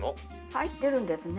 入ってるんですね。